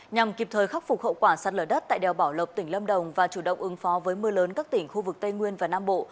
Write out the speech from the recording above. nhằm kịp thời khắc phục hậu quả sát lở đất tại đèo bảo lộc tỉnh lâm đồng và chủ động ứng phó với mưa lớn các tỉnh khu vực tây nguyên và nam bộ